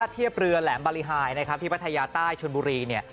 ทาทเทียบเรือแหลมบาริหายพัทยาใต้ชวนบุรี